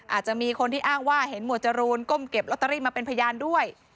อาจจะมีคนที่อ้างว่าเห็นหมวดจรูนก้มเก็บลอตเตอรี่มาเป็นพยานด้วย